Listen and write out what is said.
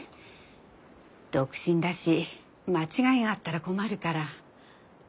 独身だし間違いがあったら困るから。